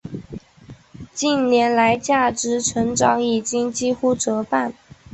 近年来价值成长已经几乎折半。